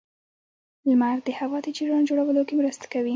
• لمر د هوا د جریان جوړولو کې مرسته کوي.